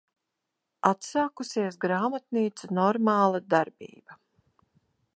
Atsākusies grāmatnīcu normāla darbība.